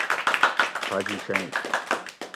حاجی شئ